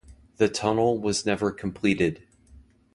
The tunnel was never completed.